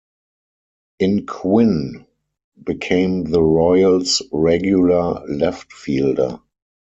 In Quinn became the Royals regular leftfielder.